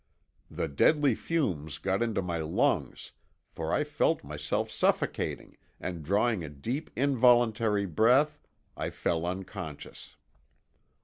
The deadly fumes got into my lungs, for I felt myself suffocating, and drawing a deep involuntary breath I fell unconscious.